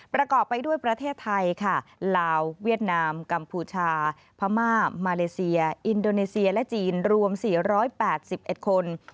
ประกอบไปด้วยประเทศไทยค่ะลาวเวียดนามกัมพูชาพม่ามาเลเซียอินโดนีเซียและจีนรวม๔๘๑คน